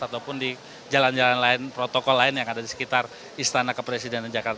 ataupun di jalan jalan lain protokol lain yang ada di sekitar istana kepresidenan jakarta